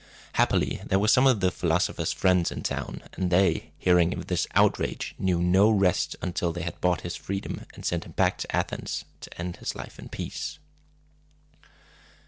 Happily, there were some of the philosopher's friends in town; and they, hearing of this outrage, knew no rest until they had bought his freedom, and sent him back to Athens to end his life in peace.